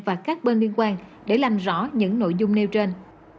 và các bên liên quan để làm rõ những nội dung nêu trên